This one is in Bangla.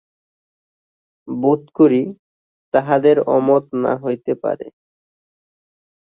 বোধ করি, তাঁহাদের অমত না হইতে পারে।